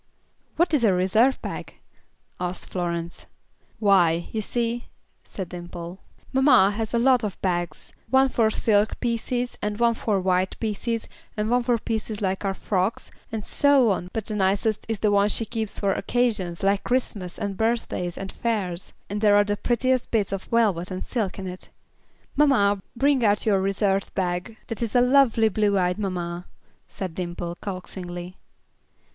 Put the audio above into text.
"What is a reserve bag?" asked Florence. "Why, you see," said Dimple, "mamma has a lot of bags, one for silk pieces, and one for white pieces, and one for pieces like our frocks, and so on, but the nicest is the one she keeps for occasions, like Christmas and birthdays and fairs, and there are the prettiest bits of velvet and silk in it. Mamma, bring out your reserve bag, that is a lovely blue eyed mamma," said Dimple, coaxingly.